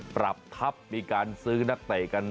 ปรับทัพมีการซื้อนักเตะกัน